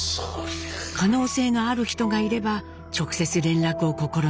可能性がある人がいれば直接連絡を試みます。